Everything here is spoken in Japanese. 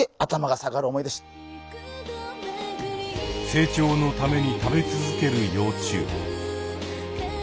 成長のために食べ続ける幼虫。